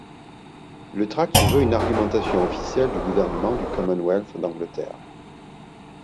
Le tract se veut une argumentation officielle du gouvernement du Commonwealth d'Angleterre.